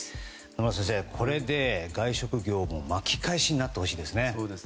野村先生、これで外食業の巻き返しになってほしいですね。